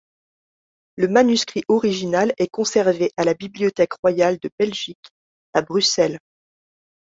Le manuscrit original est conservé à la Bibliothèque royale de Belgique à Bruxelles.